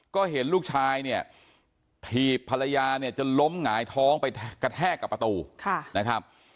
ก็เห็นลูกชายเนี่ยถีบภรรยาเนี่ยจนล้มหงายท้องไปกระแทกกับประตูนะครับ